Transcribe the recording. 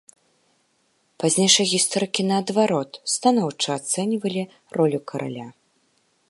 Пазнейшыя гісторыкі, наадварот, станоўча ацэньвалі ролю караля.